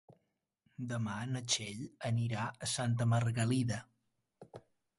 Demà na Txell anirà a Santa Margalida.